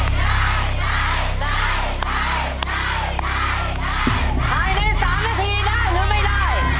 ภายใน๓นาทีได้หรือไม่ได้